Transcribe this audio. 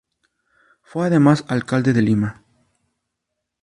Fue además alcalde de Lima.